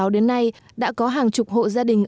đến nay đã có hàng chục hộ gia đình